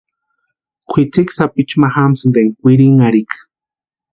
Kwʼitsiki sapichu ma jamsïnti énka kwirinharhika.